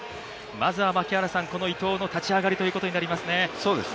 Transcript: まずはこの伊藤の立ち上がりということになりますね。